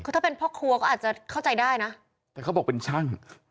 คือถ้าเป็นพ่อครัวก็อาจจะเข้าใจได้นะแต่เขาบอกเป็นช่าง